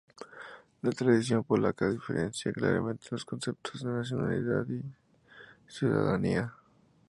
La tradición polaca diferencia claramente los conceptos de nacionalidad y ciudadanía.